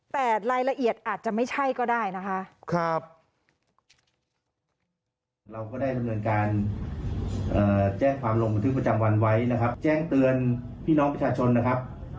แต่รายละเอียดอาจจะไม่ใช่ก็ได้นะคะ